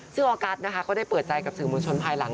ซึ่งออกัสนะคะก็ได้เปิดใจกับสื่อมวลชนภายหลัง